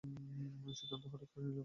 সিদ্ধান্ত হঠাৎ করেই নিলাম।